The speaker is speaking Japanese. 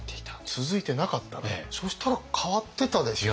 そしたら変わってたでしょうね。